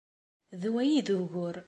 D wa ay d ugur.